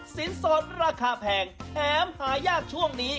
สินสอดราคาแพงแถมหายากช่วงนี้